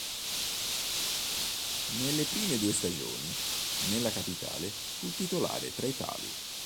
Nelle prime due stagioni nella capitale fu titolare tra i pali.